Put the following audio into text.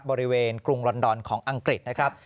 บริเวณกรุงลอนดอนของอังกฤษนะครับ